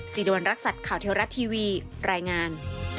สิริวัณรักษัตริย์ข่าวเทวรัฐทีวีรายงาน